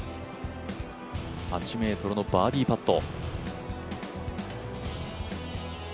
８ｍのバーディーパット。